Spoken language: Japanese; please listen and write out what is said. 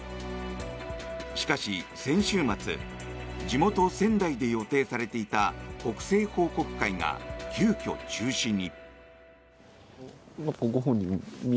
しかし先週末地元・仙台で予定されていた国政報告会が急きょ、中止に。